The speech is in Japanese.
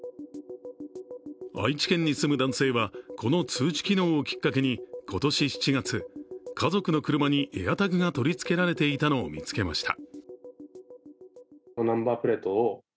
愛知県に住む男性はこの通知機能をきっかけに今年７月、家族の車にＡｉｒＴａｇが取り付けられていたのを見つけました。